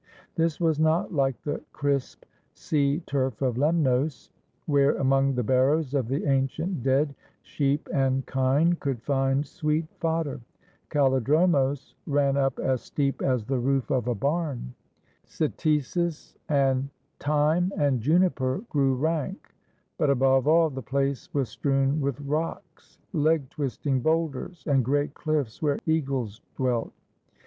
This was not like the crisp sea turf of Lemnos, where among the barrows of the ancient dead, sheep and kine could find sweet fodder. Kallidromos ran up as steep as the roof of a barn. Cytisus and thyme and juniper grew rank, but, above all, the place was strewn with rocks, leg twisting boulders, and great cliffs where eagles dwelt.